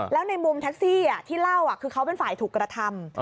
แล้วในมุมแท็กซี่ที่เล่าคือเขาเป็นฝ่ายถูกกระทำ